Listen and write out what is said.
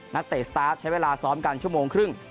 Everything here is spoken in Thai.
เตะสตาร์ฟใช้เวลาซ้อมกันชั่วโมงครึ่ง